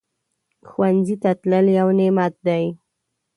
ښوونځی ته تلل یو نعمت دی